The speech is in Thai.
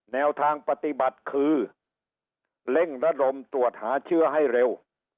แนวทางปฏิบัติคือเร่งระดมตรวจหาเชื้อให้เร็ว